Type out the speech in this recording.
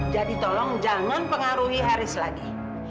jadi tolong jangan pengaruhi haris lagi